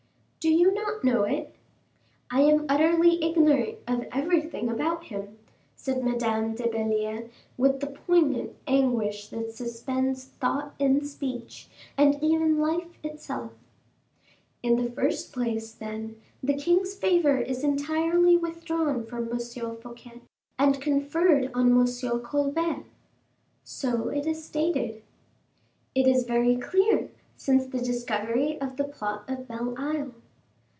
"Do you not know it?" "I am utterly ignorant of everything about him," said Madame de Belliere, with the poignant anguish that suspends thought and speech, and even life itself. "In the first place, then, the king's favor is entirely withdrawn from M. Fouquet, and conferred on M. Colbert." "So it is stated." "It is very clear, since the discovery of the plot of Belle Isle."